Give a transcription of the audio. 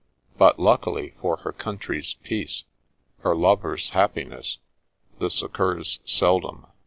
But luckily for her country's peace, her lovers' happiness, this occurs seldom.